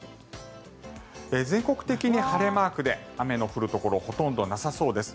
全国的に晴れマークで雨の降るところほとんどなさそうです。